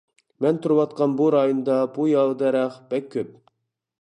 مەن تۇرۇۋاتقان بۇ رايوندا بۇ ياۋا دەرەخ بەك كۆپ.